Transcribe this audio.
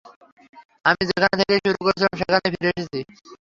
আমি যেখান থেকেই শুরু করেছিলাম সেখানেই ফিরে এসেছি।